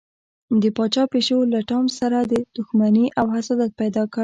د پاچا پیشو له ټام سره دښمني او حسادت پیدا کړ.